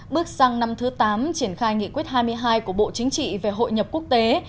bước sang năm thứ tám triển khai nghị quyết hai mươi hai của bộ chính trị về hội nhập quốc tế